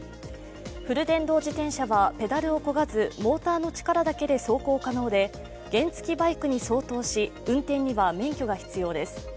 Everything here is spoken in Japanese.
フル電動自転車は、ペダルをこがずモーターの力だけで走行可能で原付きバイクに相当し、運転には免許が必要です。